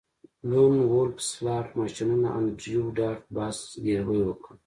لون وولف سلاټ ماشینونه انډریو ډاټ باس زګیروی وکړ